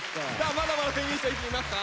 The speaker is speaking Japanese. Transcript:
まだまだ宣言したい人いますか？